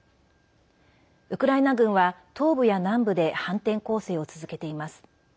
ウクライナ軍は、東部や南部で反転攻勢を続けています。